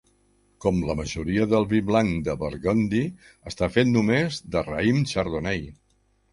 Com la majoria del vi blanc de Burgundy, està fet només de raïm Chardonnay.